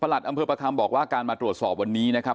อำเภอประคำบอกว่าการมาตรวจสอบวันนี้นะครับ